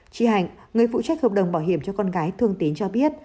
chị hạnh người phụ trách hợp đồng bảo hiểm cho con gái thương tín cho biết